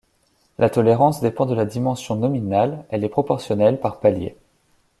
La tolérance dépend de la dimension nominale, elle est proportionnelle par paliers.